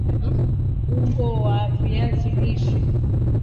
Utahitaji ungo cha kukatia viazi lishe